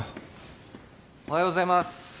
おはようございます。